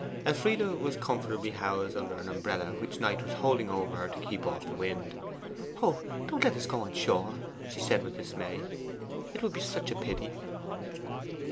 Elfride was comfortably housed under an umbrella which Knight was holding over her to keep off the wind. 'Oh, don't let us go on shore!' she said with dismay. 'It would be such a pity!